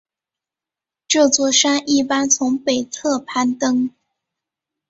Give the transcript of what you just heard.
这座山一般从北侧攀登。